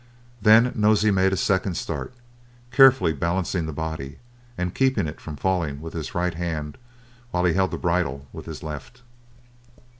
Then Nosey made a second start, carefully balancing the body, and keeping it from falling with his right hand, while he held the bridle with his left.